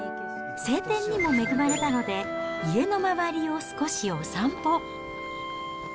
晴天にも恵まれたので、家の周りを少しお散歩。